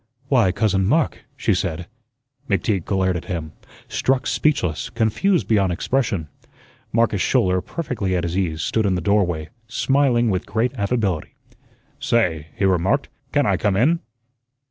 "Why, Cousin Mark!" she said. McTeague glared at him, struck speechless, confused beyond expression. Marcus Schouler, perfectly at his ease, stood in the doorway, smiling with great affability. "Say," he remarked, "can I come in?"